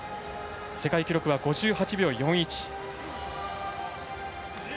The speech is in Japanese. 世界記録は５８秒４１。